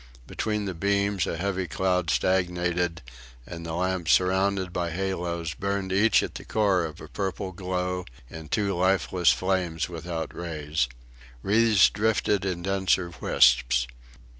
Between the beams a heavy cloud stagnated; and the lamps surrounded by halos burned each at the core of a purple glow in two lifeless flames without rays. Wreaths drifted in denser wisps.